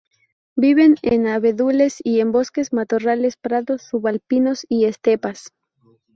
Viven en abedules y en bosques, matorrales, prados subalpinos y estepas.